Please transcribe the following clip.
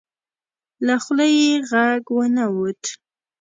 له خولې یې غږ ونه وت.